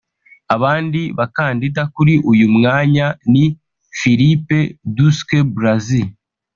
Abandi bakandida kuri uyu mwanya ni Philippe Douste-Blazy